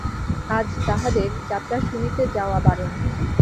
আজ তাহাদের যাত্রা শুনিতে যাওয়া বারণ।